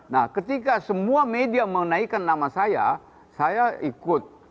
nah ketika semua media menaikkan nama saya saya ikut